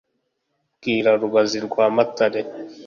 mbwira rubazi rwa matare